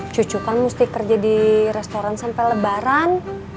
cucu kan mesti kerja di restoran sampai lebaran